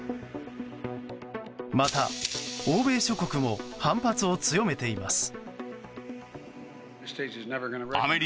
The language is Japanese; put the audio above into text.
また、欧米諸国も反発を強めています。